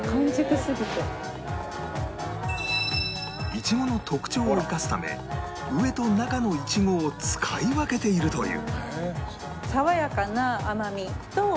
イチゴの特徴を生かすため上と中のイチゴを使い分けているという